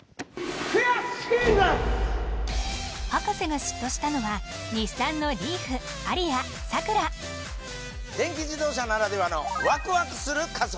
博士が嫉妬したのは電気自動車ならではのワクワクする加速！